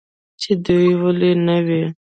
چې دى ولي نه وي.